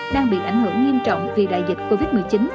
đang bị ảnh hưởng nghiêm trọng vì đại dịch covid một mươi chín